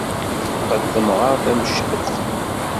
Teqqen temɣart ameclux.